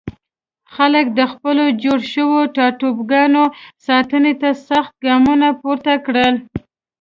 خلک د خپلو جوړ شوو ټاپوګانو ساتنې ته سخت ګامونه پورته کړل.